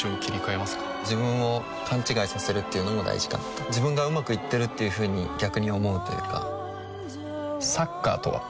自分を勘違いさせるっていうのも大事かなと自分がうまくいってるっていうふうに逆に思うというかサッカーとは？